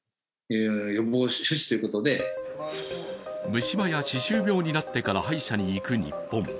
虫歯や歯周病になってから歯医者に行く日本。